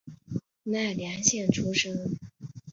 奈良县出身。